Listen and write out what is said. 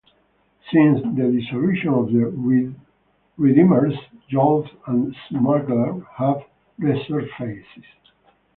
Since the dissolution of the Redeemers, Jolt and the Smuggler have resurfaced.